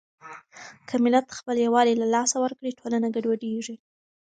که ملت خپل يووالی له لاسه ورکړي، ټولنه ګډوډېږي.